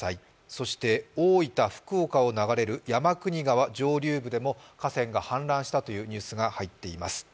そして、大分、福岡を流れる山国川上流部でも氾濫したという情報が入っています。